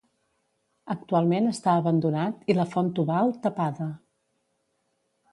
Actualment està abandonat i la font Tubal, tapada.